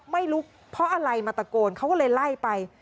ไม่ลุกเพราะอะไรมาตะโกนเขาก็เลยไล่ไป